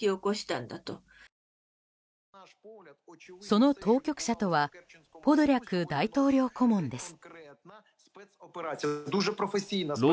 その当局者とはポドリャク大統領顧問です。